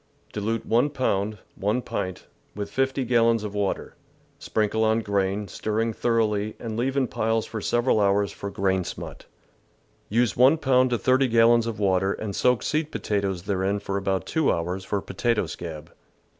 — Dilute 1 pound (1 pint) with 50 gallons of water, sprinkle on grain, stirring thor oughly and leave in piles for several hours for grain THE GARDEN'S ENEMIES smut. Use 1 pound to 30 gallons of water and soak seed potatoes therein for about 2 hours, for potato scab.